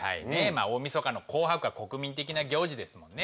大みそかの「紅白」は国民的な行事ですもんね。